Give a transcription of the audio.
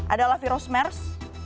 adalah virus mers